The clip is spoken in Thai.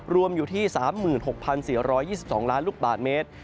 รวมอยู่ที่๓๖๔๒๒ล้านลูกบาทเมตร